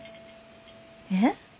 えっ？